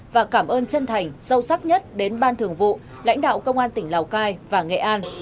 và cảm ơn chân thành sâu sắc nhất đến ban thường vụ lãnh đạo công an tỉnh lào cai và nghệ an